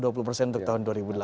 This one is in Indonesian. untuk tahun dua ribu delapan belas